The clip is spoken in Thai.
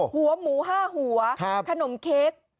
หัวหมู๕หัวขนมเค้ก